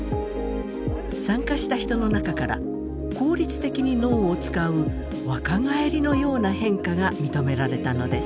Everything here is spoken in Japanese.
参加した人の中から効率的に脳を使う若返りのような変化が認められたのです。